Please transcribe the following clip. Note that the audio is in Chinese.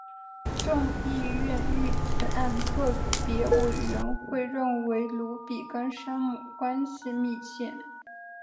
众议院遇刺案特别委员会认为鲁比跟山姆关系密切。